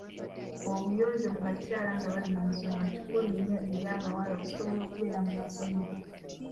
Obuyonjo mu bakyala nga bali mu nsonga kikulu nnyo eri abawala okusobola okubeera mu masomero.